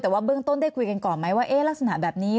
แต่ว่าเบื้องต้นได้คุยกันก่อนไหมว่าลักษณะแบบนี้